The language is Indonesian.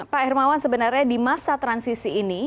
pak hermawan sebenarnya di masa transisi ini